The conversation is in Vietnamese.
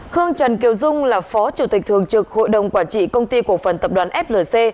khương trần kiều dung là phó chủ tịch thường trực hội đồng quản trị công ty cổ phần tập đoàn flc